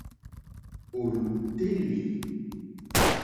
Ò lùtélì.